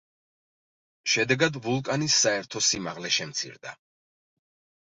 შედეგად ვულკანის საერთო სიმაღლე შემცირდა.